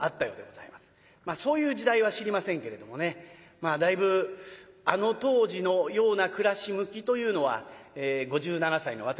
そういう時代は知りませんけれどもねだいぶあの当時のような暮らし向きというのは５７歳の私はまだ若干知ってる人間でございます。